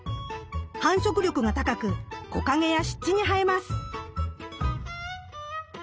繁殖力が高く木陰や湿地に生えます。